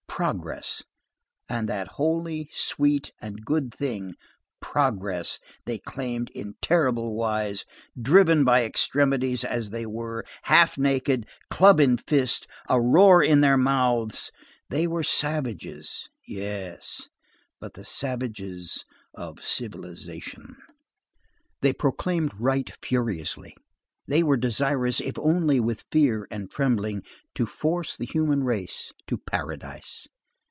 Progress; and that holy, sweet, and good thing, progress, they claimed in terrible wise, driven to extremities as they were, half naked, club in fist, a roar in their mouths. They were savages, yes; but the savages of civilization. They proclaimed right furiously; they were desirous, if only with fear and trembling, to force the human race to paradise.